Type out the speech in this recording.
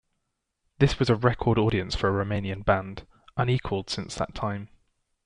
This was a record audience for a Romanian band, unequalled since that time.